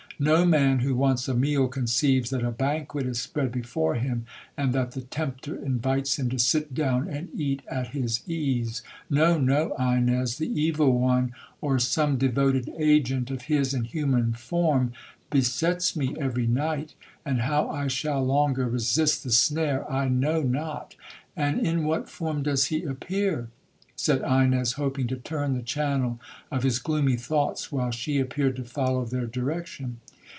No man, who wants a meal, conceives that a banquet is spread before him, and that the tempter invites him to sit down and eat at his ease. No,—no, Ines, the evil one, or some devoted agent of his in human form, besets me every night,—and how I shall longer resist the snare, I know not.'—'And in what form does he appear?' said Ines, hoping to turn the channel of his gloomy thoughts, while she appeared to follow their direction.